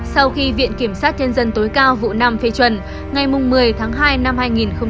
sau khi viện kiểm sát nhân dân tối cao vụ năm phê chuẩn ngày một mươi tháng hai năm hai nghìn hai mươi